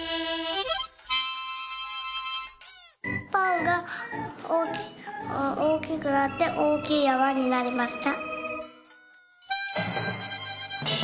「パンがおおきくなっておおきいやまになりました」。